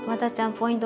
ポイント